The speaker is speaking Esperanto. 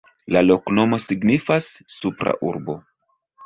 La loknomo signifas: Supra Urbo.